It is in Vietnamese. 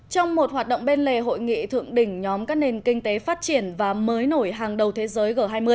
trong một hoạt động bên lề hội nghị thượng đỉnh nhóm các nền kinh tế phát triển và mới nổi hàng đầu thế giới g hai mươi